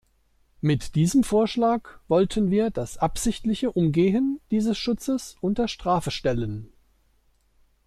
Mit diesem Vorschlag wollten wir das absichtliche Umgehen dieses Schutzes unter Strafe stellen.